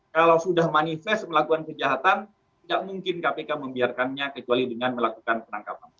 kalau sudah manifest melakukan kejahatan tidak mungkin kpk membiarkannya kecuali dengan melakukan penangkapan